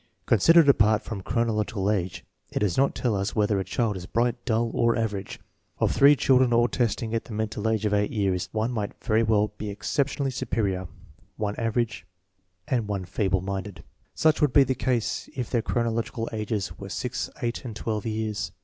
Considered apart from chronological age it does not tell us whether a child is bright, dull, or average. Of three children all test ing at the mental age of eight years, one might very well be exceptionally superior, one average, and one 3 UNiJbiJLJULliJiiJNCJifl Utf SCHOOL CHILDREN feeble minded. Such would be the case if their chron ological ages were six, eight, and twelve years.